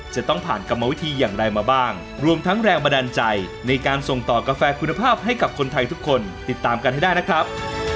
จะต้องผ่านกรรมวิธีอย่างไรมาบ้างรวมทั้งแรงบันดาลใจในการส่งต่อกาแฟคุณภาพให้กับคนไทยทุกคนติดตามกันให้ได้นะครับ